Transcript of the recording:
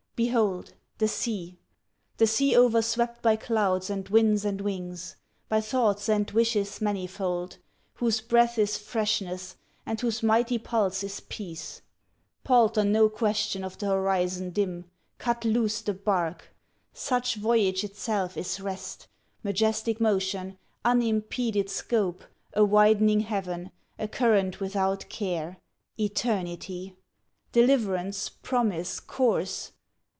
Behold! the Sea! The sea o'erswept by clouds and winds and wings; By thoughts and wishes manifold, whose breath Is freshness and whose mighty pulse is peace. Palter no question of the horizon dim Cut loose the bark! Such voyage itself is rest, Majestic motion, unimpeded scope, A widening heaven, a current without care, Eternity! deliverance, promise, course!